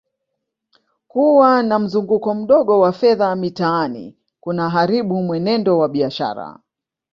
Kuwa na mzunguko mdogo wa fedha mitaani kunaharibu mwenendo wa biashara